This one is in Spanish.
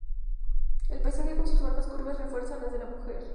El paisaje con sus formas curvas refuerza las de la mujer.